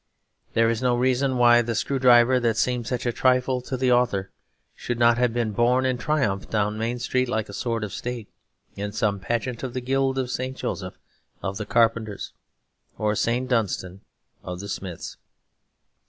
There is no reason why the screw driver that seemed such a trifle to the author should not have been borne in triumph down Main Street like a sword of state, in some pageant of the Guild of St. Joseph of the Carpenters or St. Dunstan of the Smiths.